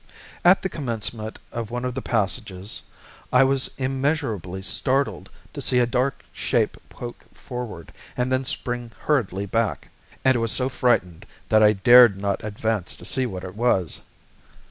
At the commencement of one of the passages I was immeasurably startled to see a dark shape poke forward, and then spring hurriedly back, and was so frightened that I dared not advance to see what it was.